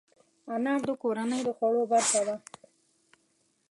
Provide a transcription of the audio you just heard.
انار د کورنۍ د خوړو برخه ده.